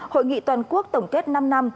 hội nghị toàn quốc tổng kết năm năm